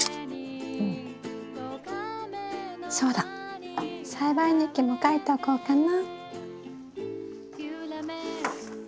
そうだ栽培日記も書いておこうかな。